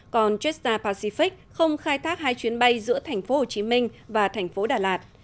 còn jetstar pacific không khai thác hai chuyến bay giữa thành phố hồ chí minh và thành phố đà lạt